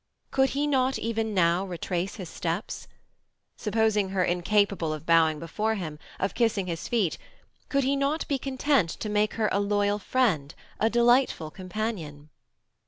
Could he not even now retrace his steps? Supposing her incapable of bowing before him, of kissing his feet, could he not be content to make of her a loyal friend, a delightful companion?